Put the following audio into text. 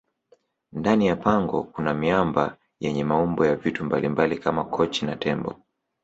ndani ya pango Kuna miamba yenye maumbo ya vitu mbalimbali Kama kochi na tembo